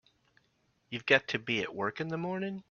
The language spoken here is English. You've got to be at work in the morning.